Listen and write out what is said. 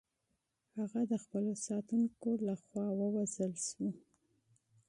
هغه د خپلو ساتونکو لخوا ووژل شوه.